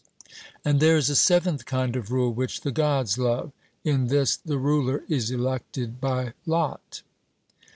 And there is a seventh kind of rule which the Gods love, in this the ruler is elected by lot.